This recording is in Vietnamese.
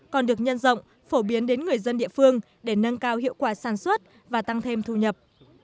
còn được nhân rộng phổ biến đến người dân địa phương để nâng cao hiệu quả sản xuất và tăng thêm thu nhập